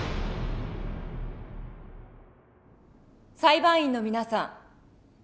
裁判員の皆さん